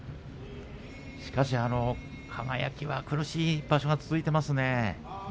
しかし輝は苦しい場所が続いていますね。